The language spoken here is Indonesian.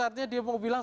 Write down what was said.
artinya dia mau bilang